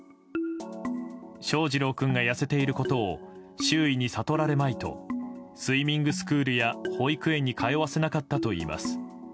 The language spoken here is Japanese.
翔士郎君が痩せていることを周囲に悟られまいとスイミングスクールや保育園に通わせなかったといいます。